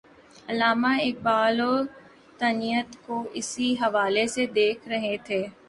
علامہ اقبال وطنیت کو اسی حوالے سے دیکھ رہے تھے۔